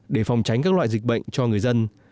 để phòng tránh các loại dịch bệnh cho người dân